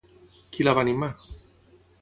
Qui la va animar?